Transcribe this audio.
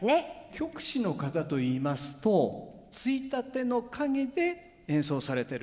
曲師の方といいますとついたての陰で演奏されてる。